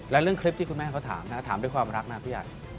แล้วเรื่องคลิปที่คุณแม่เขาถามนะถามด้วยความรักนะพี่ใหญ่